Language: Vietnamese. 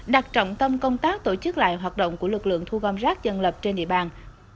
đặt trọng tâm công tác tổ chức lại hoạt động của lực lượng thu gom rác dân lập trên địa bàn